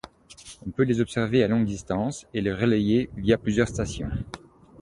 On peut les observer à longue distance, et les relayer via plusieurs stations.